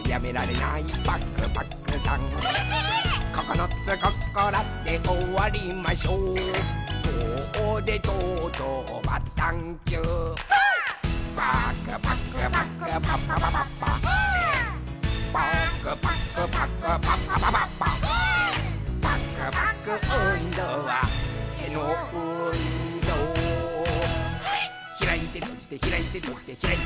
「ひらいてとじてひらいてとじてひらいてひらいてひらいて」